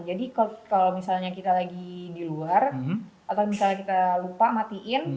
jadi kalau misalnya kita lagi di luar atau misalnya kita lupa matiin